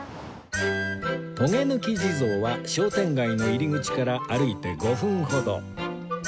とげぬき地蔵は商店街の入り口から歩いて５分ほど